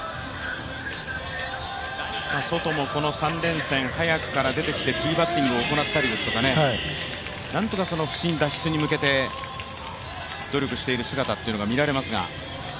ソトもこの３連戦、早くから出てきてティーバッティングをしたりとなんとか不振脱出に向けて努力している姿というのが見られますが。